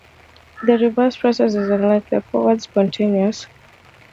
The reverse process is, unlike the forward, spontaneous.